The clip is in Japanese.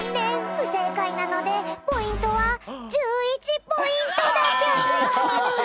ふせいかいなのでポイントは１１ポイントだぴょん。